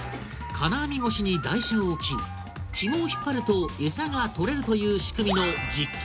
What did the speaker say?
金網越しに台車を置きヒモを引っ張るとエサが取れるという仕組みの実験